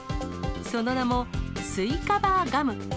その名も、スイカバーガム。